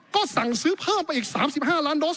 ก็สั่งซื้อเพิ่มไปอีก๓๕ล้านโดส